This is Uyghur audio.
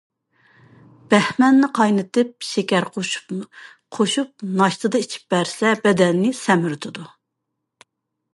بەھمەننى قاينىتىپ شېكەر قوشۇپ ناشتىدا ئىچىپ بەرسە، بەدەننى سەمرىتىدۇ.